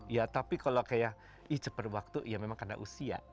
ya tapi kalau kayak ih cepat waktu ya memang karena usia